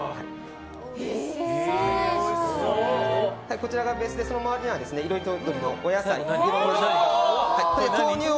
こちらがベースでその周りには色とりどりのお野菜を。